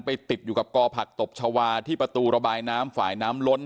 ติดอยู่กับกอผักตบชาวาที่ประตูระบายน้ำฝ่ายน้ำล้น